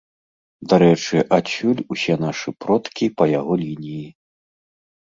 Дарэчы, адсюль усе нашы продкі па яго лініі.